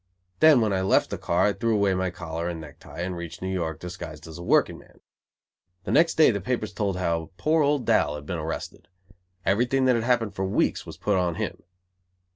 Then when I left the car I threw away my collar and necktie, and reached New York, disguised as a workingman. The next day the papers told how poor old Dal had been arrested. Everything that had happened for weeks was put on him.